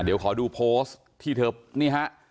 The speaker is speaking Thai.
เดี๋ยวขอดูโพสต์ที่เธอนี่ฮะ